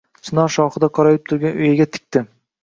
chinor shoxida qorayib turgan uyaga tikdi.